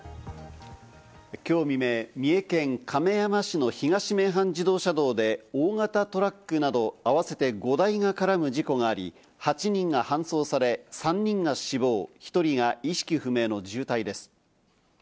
今日未明、三重県亀山市の東名阪自動車道で大型トラックなど、合わせて５台が絡む事故があり、８人が搬送され、３人が死亡、１人が意識不明の重体です。